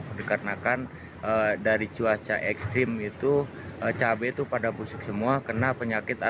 gitu se egg karena akan dari cuaca extreme itu cabai itu pada musim semua kenal penyakit